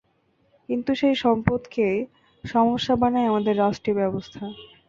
কিন্তু সেই সম্পদকে সমস্যা বানায় আমাদের রাষ্ট্রীয় ব্যবস্থা।